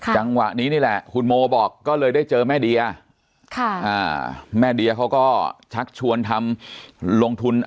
จังหวะนี้นี่แหละคุณโมบอกก็เลยได้เจอแม่เดียแม่เดียเขาก็ชักชวนทำลงทุน